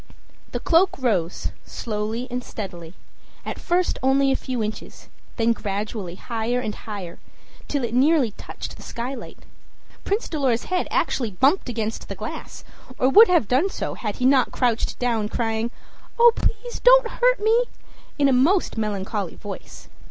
The cloak rose, slowly and steadily, at first only a few inches, then gradually higher and higher, till it nearly touched the skylight. Prince Dolor's head actually bumped against the glass, or would have done so had he not crouched down, crying "Oh, please don't hurt me!" in a most melancholy voice.